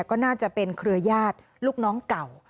ก็น่าจะเป็นเครือญาติลูกน้องเก่า